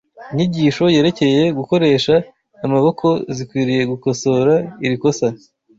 Inyigisho yerekeye gukoresha amaboko zikwiriye gukosora iri kosa